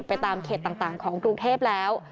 ไปตามเขตต่างของกรุงเทพแล้ว